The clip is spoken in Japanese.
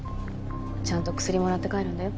ちゃんと薬もらって帰るんだよ。